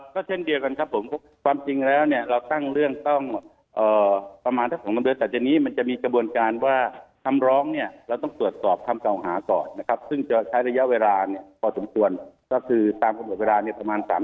ก็เช่นเดียวกันครับผมความจริงแล้วเนี่ยเราตั้งเรื่องต้องประมาณสัก๒๓เดือนแต่นี้มันจะมีกระบวนการว่าคำร้องเนี่ยเราต้องตรวจสอบคำเก่าหาก่อนนะครับซึ่งจะใช้ระยะเวลาเนี่ยพอสมควรก็คือตามกำหนดเวลาเนี่ยประมาณ๓๐๐